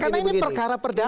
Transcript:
karena ini perkara perdata loh